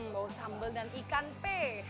bau sambal dan ikan pe